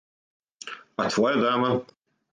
А твоја дама?